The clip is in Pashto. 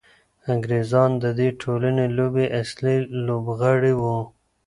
انګریزان د دې ټولې لوبې اصلي لوبغاړي وو.